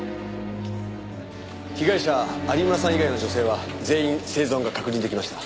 被害者有村さん以外の女性は全員生存が確認出来ました。